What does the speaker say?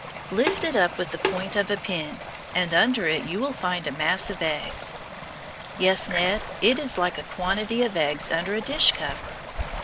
Lift it up with the point of a pin, and under it you will find a mass of eggs. Yes, Ned; it is like a quantity of eggs under a dish cover.